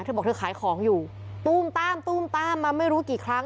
เธอบอกเธอขายของอยู่ตู้มตามตู้มตามมาไม่รู้กี่ครั้ง